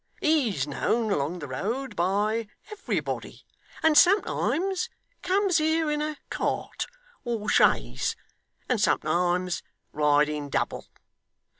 He's known along the road by everybody, and sometimes comes here in a cart or chaise, and sometimes riding double.